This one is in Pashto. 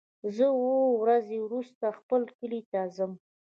زه اووه ورځې وروسته خپل کلی ته ځم.